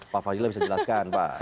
pak fadil bisa jelaskan pak